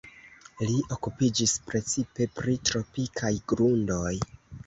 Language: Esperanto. Li okupiĝis precipe pri tropikaj grundoj.